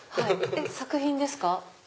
作品ですか？